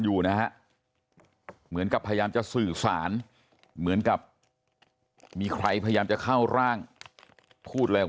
ขึ้นอยู่กับความเชื่อนะฮะสุดท้ายเนี่ยทางครอบครัวก็เชื่อว่าป้าแดงก็ไปที่วัดแล้ว